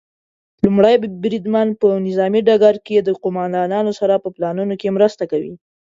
لومړی بریدمن په نظامي ډګر کې د قوماندانانو سره په پلانونو کې مرسته کوي.